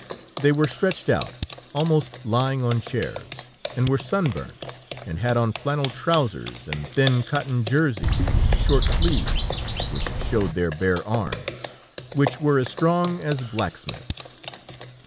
They were stretched out, almost lying on chairs, and were sunburnt, and had on flannel trousers and thin cotton jerseys, with short sleeves, which showed their bare arms, which were as strong as blackmiths'.